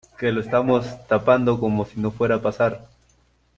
que lo estamos tapando como si no fuera a pasar